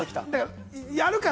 やるから！